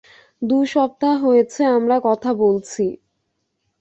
দু সপ্তাহ হয়েছে আমরা কথা বলছি।